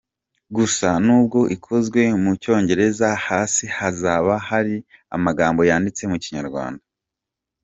Gusa nubwo ikozwe mu Cyongereza, hasi hazaba hariho amagambo yanditse mu Kinyarwanda.